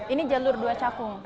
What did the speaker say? ini jalur dua cakung